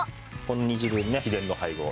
この煮汁ね秘伝の配合。